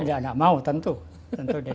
nggak mau tentu tentu tidak mau